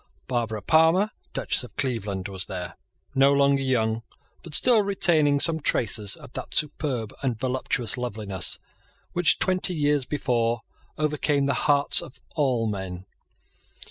Barbara Palmer, Duchess of Cleveland, was there, no longer young, but still retaining some traces of that superb and voluptuous loveliness which twenty years before overcame the hearts of all men.